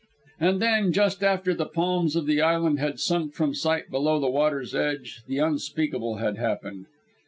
And then, just after the palms of the island had sunk from sight below the water's edge, the unspeakable had happened.